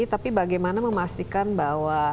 tapi bagaimana memastikan bahwa